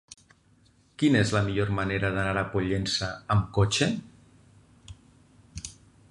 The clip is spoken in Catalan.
Quina és la millor manera d'anar a Pollença amb cotxe?